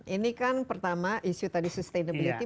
ini kan pertama isu tadi sustainability